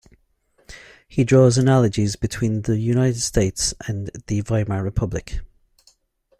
He draws analogies between the United States and the Weimar Republic.